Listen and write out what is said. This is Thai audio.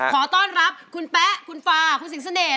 ขอต้อนรับคุณแป๊ะคุณฟาคุณสิงเสน่ห